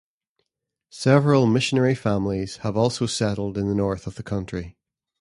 Several missionary families have also settled in the north of the country.